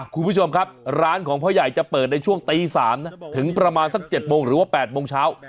คุณผู้ชมครับร้านของพ่อใหญ่จะเปิดในช่วงตี๓นะถึงประมาณสัก๗โมงหรือว่า๘โมงเช้า